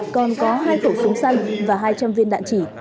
còn có hai cổ súng xanh và hai trăm linh viên đạn chỉ